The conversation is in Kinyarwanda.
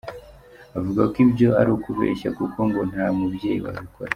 Avuga ko ibyo ari ukubeshya kuko ngo nta mubyeyi wabikora.